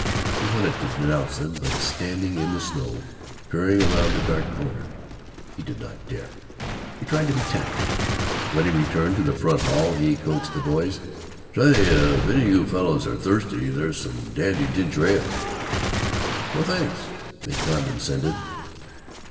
He wanted to denounce them but (standing in the snow, peering round the dark corner) he did not dare. He tried to be tactful. When he had returned to the front hall he coaxed the boys, "Say, if any of you fellows are thirsty, there's some dandy ginger ale." "Oh! Thanks!" they condescended.